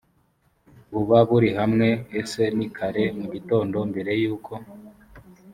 buba buri hamwe ese ni kare mu gitondo mbere y uko